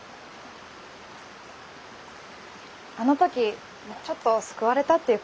あの時ちょっと救われたっていうか。